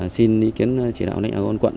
xin ý kiến chỉ đạo lãnh đạo quân quận